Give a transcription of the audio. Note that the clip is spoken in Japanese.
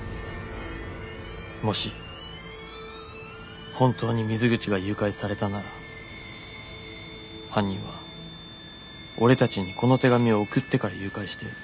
もし本当に水口が誘拐されたなら犯人は俺たちにこの手紙を送ってから誘拐してる。